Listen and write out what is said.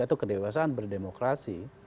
atau kedewasaan berdemokrasi